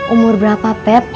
umur berapa feb